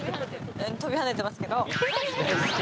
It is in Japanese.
跳びはねてますけど。